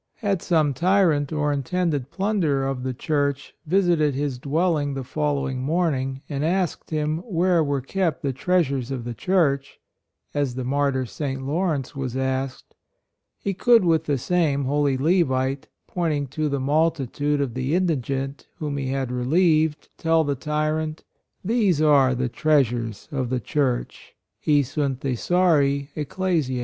Had some tyrant or intended plunderer of the Church visited his dwelling the following morning and asked him where were kept the treasures of the Church, as the martyr, St. Lawrence was asked, he could, with 9 94 PERSONAL RELIGION, the same holy Levite, pointing to the multitude of the indigent whom he had relieved, tell the tyrant :" These are the treasures of the Church." "Hi sunt thesauri Eg clesioe."